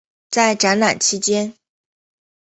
在展览期间。